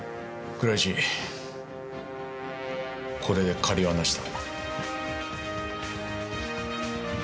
これで借りはなしだ。